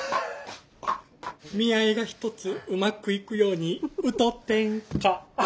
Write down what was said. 見合いがひとつうまくいくように歌てんか。